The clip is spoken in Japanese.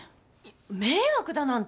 迷惑だなんて。